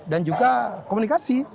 dan juga komunikasi